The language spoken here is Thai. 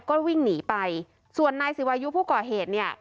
ก็วิ่งหนีไปส่วนนายสิวายุผู้ก่อเหตุเนี่ย